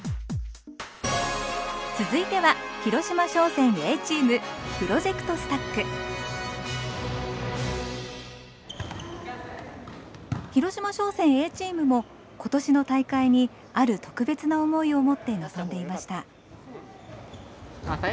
続いては広島商船Ａチームも今年の大会にある特別な思いを持って臨んでいました。